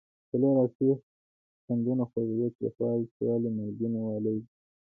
څلور اصلي خوندونه خوږوالی، تریخوالی، تریوالی او مالګینو والی دي.